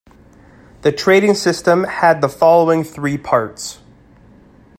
The Trading System had the following three parts.